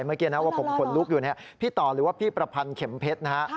เมื่อกี้นะว่าผมขนลุกอยู่เนี่ยพี่ต่อหรือว่าพี่ประพันธ์เข็มเพชรนะฮะ